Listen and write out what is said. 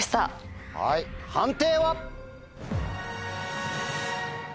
判定は？